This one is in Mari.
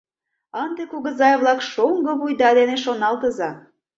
Ынде, кугызай-влак, шоҥго вуйда дене шоналтыза...